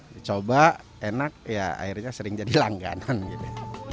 dicoba enak ya akhirnya sering jadi langganan gitu